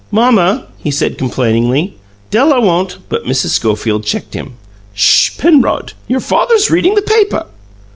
"Mamma," he said, complainingly, "Della won't " But Mrs. Schofield checked him. "Sh, Penrod; your father's reading the paper."